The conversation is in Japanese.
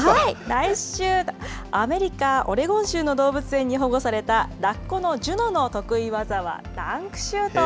来週、アメリカ・オレゴン州の動物園に保護された、ラッコのジュノの得上手。